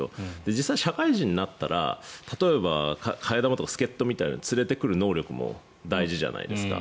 実際、社会人になったら例えば、替え玉とか助っ人とか連れてくる能力も大事じゃないですか。